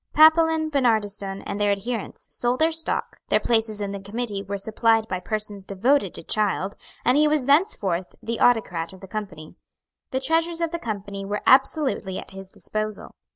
Papillon, Barnardistone, and their adherents, sold their stock; their places in the committee were supplied by persons devoted to Child; and he was thenceforth the autocrat of the Company. The treasures of the Company were absolutely at his disposal.